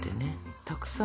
たくさんね。